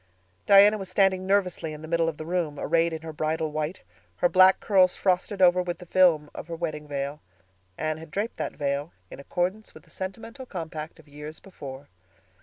Diana was standing nervously in the middle of the room, arrayed in her bridal white, her black curls frosted over with the film of her wedding veil. Anne had draped that veil, in accordance with the sentimental compact of years before.